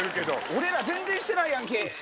俺ら全然してないやんけ！って。